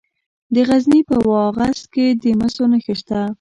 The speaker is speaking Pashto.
د غزني په واغظ کې د مسو نښې شته.